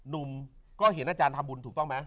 หนุ่มก็เห็นอาจารย์ทำบุญถูกต้องไหม